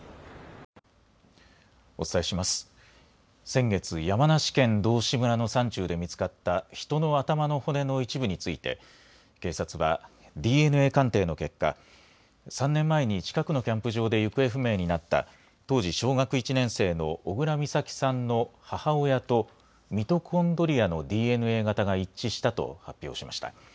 先月、山梨県道志村の山中で見つかった、人の頭の骨の一部について、警察はＤＮＡ鑑定の結果、３年前に近くのキャンプ場で行方不明になった、当時小学１年生の小倉美咲さんの母親と、ミトコンドリアのＤＮＡの型が一致したと発表しました。